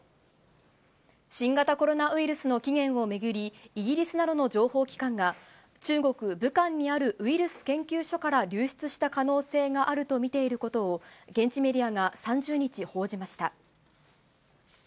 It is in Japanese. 新型コロナウイルスの起源を巡り、イギリスなどの情報機関が、中国・武漢にあるウイルス研究所から流出した可能性があると見ていることを、現地メディアが３０日、報じました。